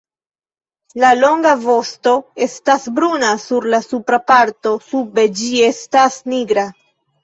La longa vosto estas bruna sur la supra parto, sube ĝi estas nigra.